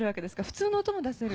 普通の音も出せる？